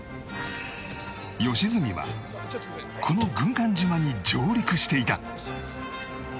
良純はこの軍艦島に上陸していた